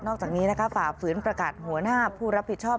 อกจากนี้ฝ่าฝืนประกาศหัวหน้าผู้รับผิดชอบ